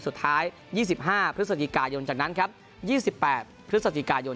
สุดท้ายยี่สิบห้าพฤษฎีกายนจากนั้นครับยี่สิบแปดพฤษฎีกายน